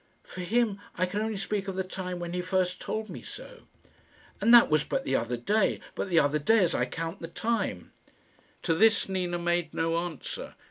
"For him, I can only speak of the time when he first told me so." "And that was but the other day but the other day, as I count the time." To this Nina made no answer.